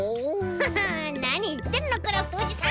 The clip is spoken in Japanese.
ハハなにいってんのクラフトおじさん。